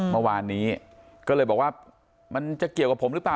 เมื่อวานนี้ก็เลยบอกว่ามันจะเกี่ยวกับผมหรือเปล่า